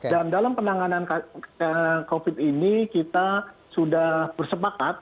dan dalam penanganan covid sembilan belas ini kita sudah bersepakat